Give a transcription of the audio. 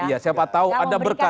iya siapa tahu ada berkah